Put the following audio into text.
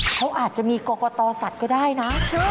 เขาอาจจะมีกรกตสัตว์ก็ได้นะ